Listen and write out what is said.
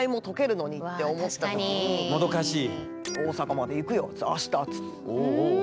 もどかしい！